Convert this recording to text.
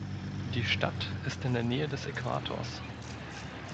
Die Stadt ist in der Nähe des Äquators.